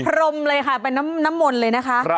พรมเลยค่ะเป็นน้ำมนต์เลยนะคะ